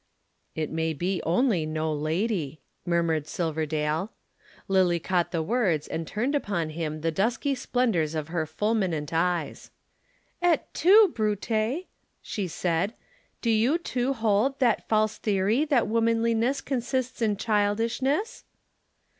"It may be only no lady," murmured Silverdale. Lillie caught the words and turned upon him the dusky splendors of her fulminant eyes. "Et tu, Brute!" she said. "Do you too hold that false theory that womanliness consists in childishness?"